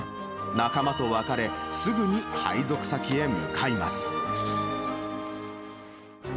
仲間と別れ、すぐに配属先へ向かいます。